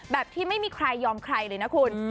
แบบที่ไม่มีใครยอมใครเลยนะคุณ